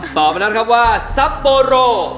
ตอบอันนั้นครับว่าซัปโปร่